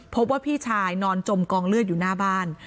พบว่าพี่ชายนอนจมกองเลือดอยู่หน้าบ้าน